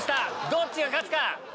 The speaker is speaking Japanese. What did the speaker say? どっちが勝つか？